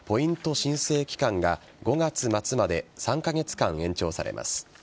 申請期間が５月末まで３カ月間延長されます。